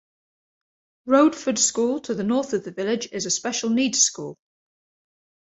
Rowdeford School, to the north of the village, is a Special Needs school.